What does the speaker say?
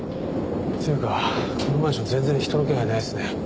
っていうかこのマンション全然人の気配ないですね。